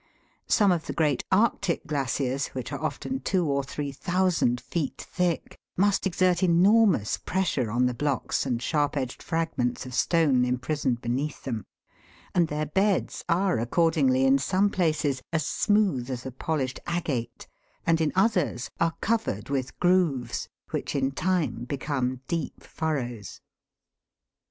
Some of the great Arctic glaciers, which are often two or three thousand feet thick, must exert enormous pressure on the blocks and sharp edged fragments of stone imprisoned beneath them, and their beds are accordingly in some places as smooth as a polished agate, and in others are covered with grooves, which in time become deep furrows.